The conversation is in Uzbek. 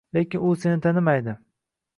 Lekin u seni tanimaydi.